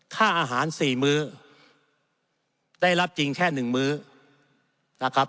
ค่าอาหาร๔มื้อได้รับจริงแค่๑มื้อนะครับ